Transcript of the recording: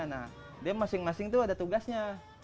nah dia masing masing tuh ada tugasnya